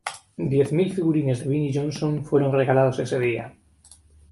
Diez mil figurines de Vinnie Johnson fueron regalados ese día.